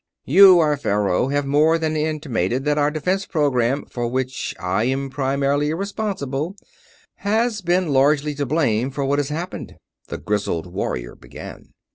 "You, our Faros, have more than intimated that our defense program, for which I am primarily responsible, has been largely to blame for what has happened," the grizzled warrior began.